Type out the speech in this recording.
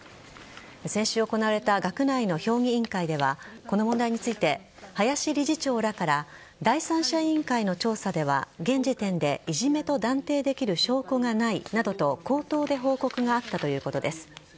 先週行われた学内の評議員会ではこの問題について林理事長らから第三者委員会の調査では現時点でいじめと断定できる証拠がないなどと口頭で報告があったということです。